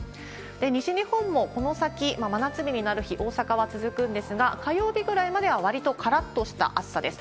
西日本もこの先真夏日になる日、大阪は続くんですが、火曜日ぐらいまではわりとからっとした暑さです。